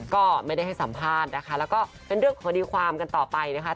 ก็ไม่ได้ให้สัมภาษณ์นะคะแล้วก็เป็นเรื่องของคดีความกันต่อไปนะคะ